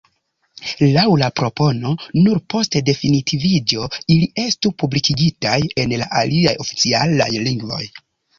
Laŭ la propono, nur post definitiviĝo ili estu publikigitaj en la aliaj oficialaj lingvoj.